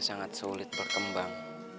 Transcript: sangat sulit berkembang